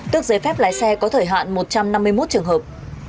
tước giấy phép lái xe có thời hạn một trăm năm mươi một trường hợp